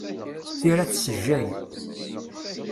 Tira tessejjay.